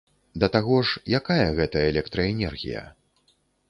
Да таго ж, якая гэта электраэнергія?